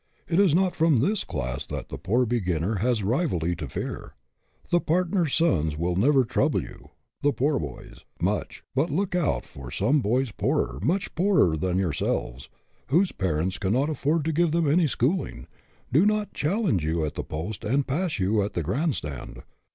It is not from this class that the poor beginner has rivalry to fear. The partner's sons will never trouble you [the poor boys,] much, but look out that some boys poorer, much poorer, than yourselves, whose parents cannot afford to give them any schooling, do not challenge you at the post and pass you at the grand stand.